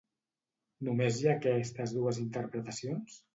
Només hi ha aquestes dues interpretacions?